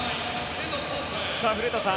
古田さん